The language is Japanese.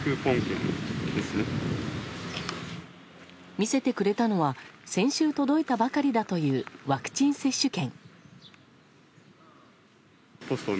見せてくれたのは先週、届いたばかりだというワクチン接種券。